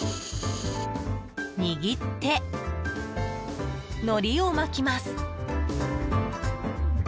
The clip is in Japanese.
握って、のりを巻きます。